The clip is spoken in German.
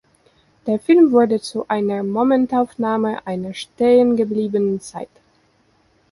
Der Film wurde zu einer Momentaufnahme einer stehengebliebenen Zeit.